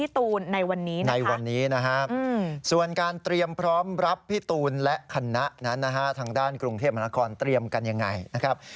ทางด้านกรุงเทพฯมหานครเตรียมกันยังไงนะครับ